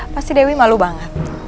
pasti dewi malu banget